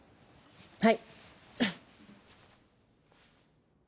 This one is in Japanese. はい。